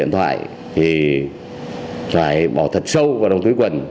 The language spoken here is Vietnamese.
thì phải bỏ thật sâu vào đồng túi quần